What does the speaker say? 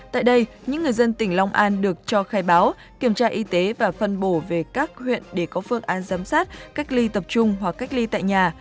tại đây những người dân tỉnh long an được cho khai báo kiểm tra y tế và phân bổ về các huyện để có phương án giám sát cách ly tập trung hoặc cách ly tại nhà